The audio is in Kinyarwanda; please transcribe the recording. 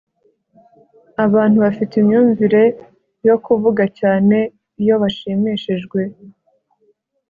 Abantu bafite imyumvire yo kuvuga cyane iyo bashimishijwe